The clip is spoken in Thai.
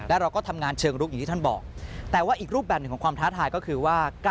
และเราก็ทำงานเชิงรุกอย่างที่ท่านบอก